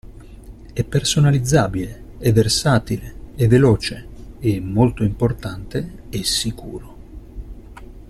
È personalizzabile, è versatile, è veloce e, molto importante, è sicuro.